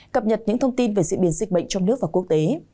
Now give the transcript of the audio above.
cập nhật những thông tin về diễn biến dịch bệnh trong nước và quốc tế